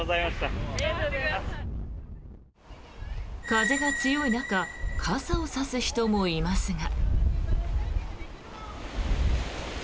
風が強い中傘を差す人もいますが。